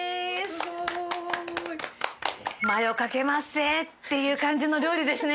すごい！マヨかけまっせっていう感じの料理ですね。